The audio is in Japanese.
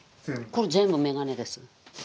これ全部眼鏡です。